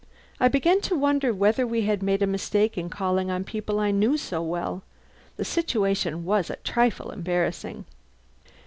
I began to wonder whether we had made a mistake in calling on people I knew so well. The situation was a trifle embarrassing.